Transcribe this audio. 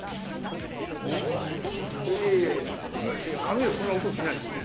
いや紙はそんな音しないですよ。